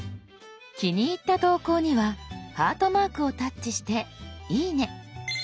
気に入った投稿にはハートマークをタッチして「いいね」。